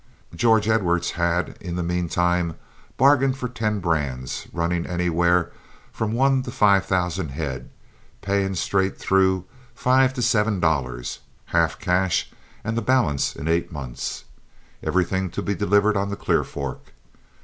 George Edwards had in the mean time bargained for ten brands, running anywhere from one to five thousand head, paying straight through five to seven dollars, half cash and the balance in eight months, everything to be delivered on the Clear Fork.